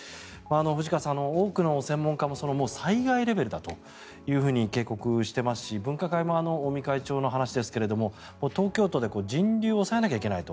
藤川さん、多くの専門家も災害レベルだというふうに警告していますし分科会も尾身会長の話ですが東京都で人流を抑えなければいけないと。